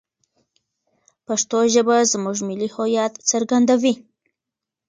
پښتو ژبه زموږ ملي هویت څرګندوي.